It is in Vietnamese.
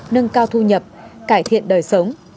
nâng cao thu nhập cải thiện đời sống